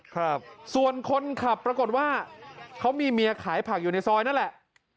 ครับส่วนคนขับปรากฏว่าเขามีเมียขายผักอยู่ในซอยนั่นแหละ